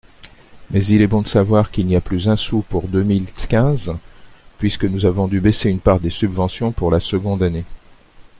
Mais il est bon de savoir qu’il n’y a plus un sou pour deux mille quinze puisque nous avons dû baisser une part des subventions pour la seconde année.